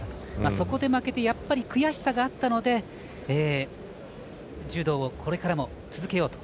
そこで負けて悔しさがあったので柔道をこれからも続けようと。